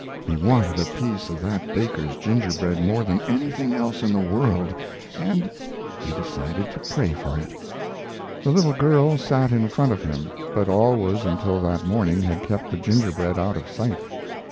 He wanted a piece of that baker's gingerbread more than anything else in the world, and he decided to pray for it. The little girl sat in front of him, but always until that morning had kept the gingerbread out of sight.